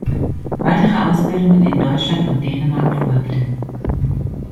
Weitere Ausbildungen in Deutschland und Dänemark folgten.